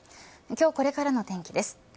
今日これからの天気です。